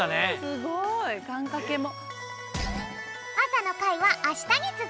すごいがんかけも。